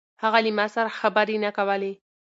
هغه له ما سره خبرې نه کولې.